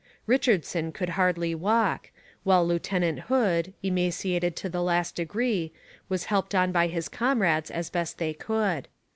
Richardson could hardly walk, while Lieutenant Hood, emaciated to the last degree, was helped on by his comrades as best they could.